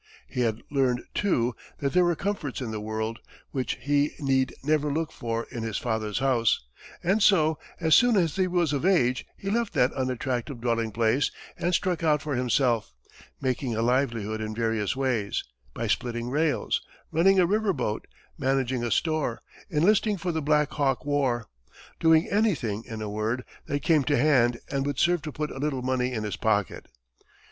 He had learned, too, that there were comforts in the world which he need never look for in his father's house, and so, as soon as he was of age, he left that unattractive dwelling place and struck out for himself, making a livelihood in various ways by splitting rails, running a river boat, managing a store, enlisting for the Black Hawk war doing anything, in a word, that came to hand and would serve to put a little money in his pocket.